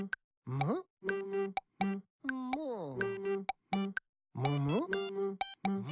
「むむむむ